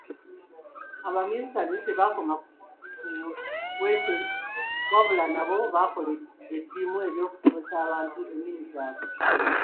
Abaminsani tebaakoma ku ekyo wabula nabo baakola eddimu ly’okusomesa abantu ennimi zaabwe.